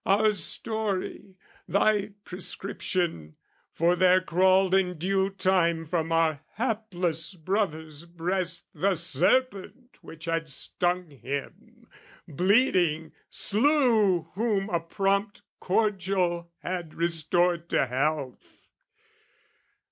"Our story, thy prescription: for there crawled "In due time from our hapless brother's breast "The serpent which had stung him: bleeding slew "Whom a prompt cordial had restored to health."